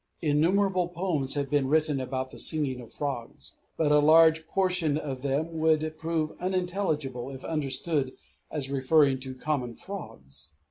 Innumerable poems have been written about the singing of frogs; but a large proportion of them would prove unintelligible if understood as referring to common frogs.